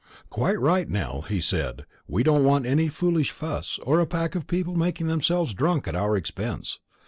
"Quite right, Nell," he said; "we don't want any foolish fuss, or a pack of people making themselves drunk at our expense.